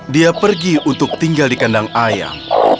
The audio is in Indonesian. dia pergi untuk tinggal di kandang ayam